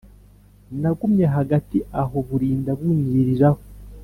nagumye hagati aho burinda bunyiriraho